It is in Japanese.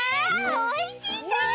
おいしそう。